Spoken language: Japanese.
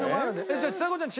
じゃあちさ子ちゃん